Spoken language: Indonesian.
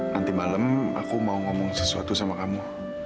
nanti malam aku mau ngomong sesuatu sama kamu